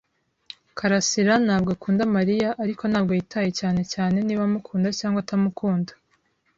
karasira ntabwo akunda Mariya. Ariko, ntabwo yitaye cyane cyane niba amukunda cyangwa atamukunda.